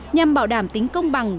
nhằm bảo đảm tính công bằng